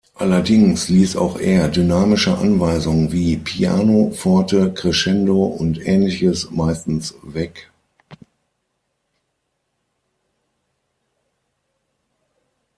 Allerdings ließ auch er dynamische Anweisungen wie ‚piano‘, ‚forte‘, ‚crescendo‘ und Ähnliches meistens weg.